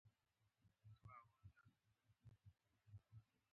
لا له کوره نه وو وتلي.